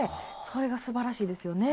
それがすばらしいですよね。